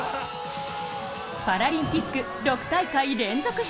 パラリンピック６大会連続